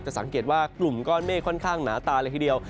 สังเกตว่ากลุ่มก้อนเมฆค่อนข้างหนาตาเลยทีเดียว